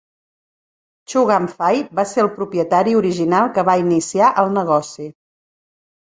Chu Gam Fai va ser el propietari original que va iniciar el negoci.